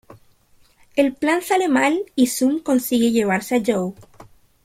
El plan sale mal y Zoom consigue llevarse a Joe.